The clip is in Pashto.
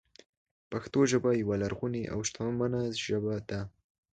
پښتو ژبه یوه لرغونې او شتمنه ژبه ده.